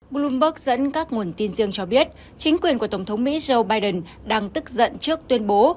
bloomberg dẫn các nguồn tin riêng cho biết chính quyền của tổng thống mỹ joe biden đang tức giận trước tuyên bố